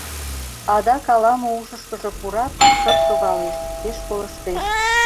Адак ала-мо ушышкыжо пурат, шып шогалеш, пеш колыштеш.